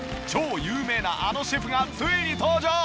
超有名なあのシェフがついに登場！